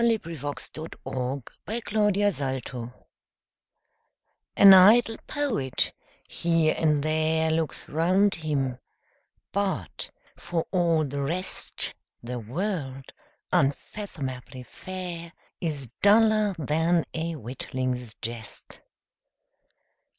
Coventry Patmore The Revelation AN idle poet, here and there, Looks round him, but, for all the rest, The world, unfathomably fair, Is duller than a witling's jest.